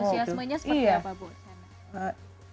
antusiasmenya seperti apa bu